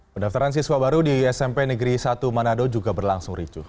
pendaftaran siswa baru di smp negeri satu manado juga berlangsung ricuh